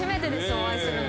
お会いするの。